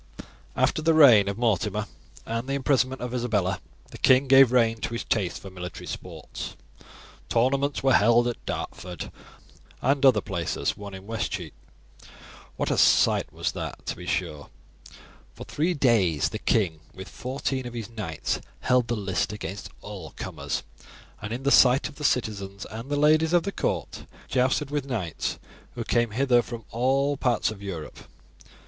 "After the death of Mortimer and the imprisonment of Isabella, the king gave rein to his taste for military sports. Tournaments were held at Dartford and other places, one in Westcheape. What a sight was that, to be sure! For three days the king, with fourteen of his knights, held the list against all comers, and in the sight of the citizens and the ladies of the court, jousted with knights who came hither from all parts of Europe.